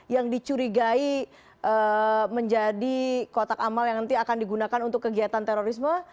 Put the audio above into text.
yang dicurigai menjadi kotak amal yang nanti akan digunakan untuk kegiatan terorisme